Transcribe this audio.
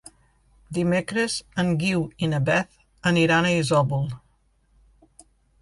Dimecres en Guiu i na Beth aniran a Isòvol.